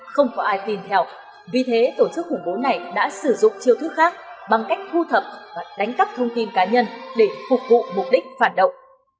không có ai tin theo vì thế tổ chức khủng bố này đã sử dụng chiêu thức khác bằng cách thu thập và đánh cắp thông tin cá nhân để phục vụ mục đích phản động